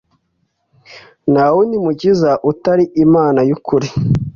nta wundi mukiza utari imana y’ukuri